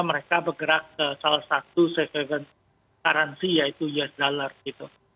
mereka bergerak ke salah satu safe haven currency yaitu us dollar gitu